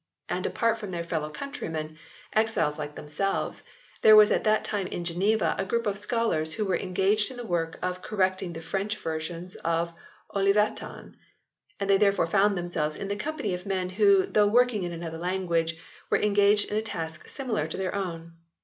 And apart from their fellow countrymen, exiles like themselves, there was at that time in Geneva a group of scholars who were engaged in the work of correcting the French version of Olivetan ; they therefore found themselves in the company of men who though working in another language were engaged in a task similar to their own.